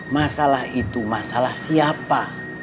masalah itu masalah siapa